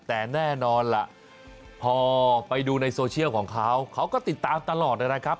แต่แน่นอนล่ะพอไปดูในโซเชียลของเขาเขาก็ติดตามตลอดนะครับ